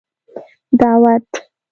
دعوت